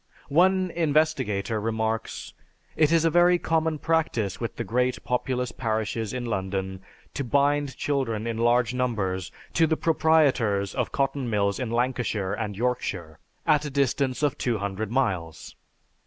One investigator remarks: "It is a very common practice with the great populous parishes in London to bind children in large numbers to the proprietors of cotton mills in Lancashire and Yorkshire, at a distance of 200 miles.